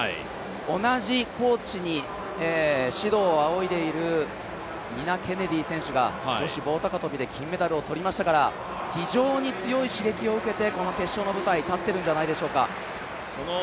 同じコーチに指導を仰いでいるニナ・ケネディ選手が女子棒高跳で金メダルを取りましたから、非常に強い刺激を受けてこの決勝の舞台、立っているんじゃないでしょうか。